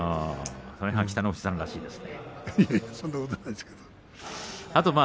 それは北の富士さんらしいですね。